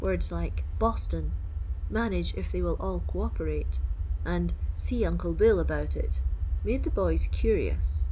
Words like "Boston," "Manage if they will all co operate" and "See Uncle Bill about it," made the boys curious.